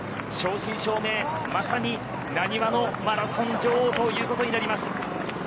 正真正銘まさになにわのマラソン女王ということになります。